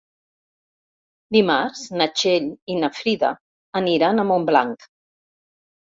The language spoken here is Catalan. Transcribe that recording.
Dimarts na Txell i na Frida aniran a Montblanc.